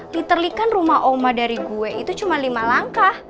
peterly kan rumah oma dari gue itu cuma lima langkah